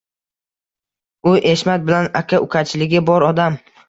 U Eshmat bilan «aka-ukachiligi» bor odam.